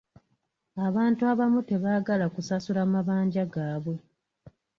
Abantu abamu tebaagala kusasula mabanja gaabwe.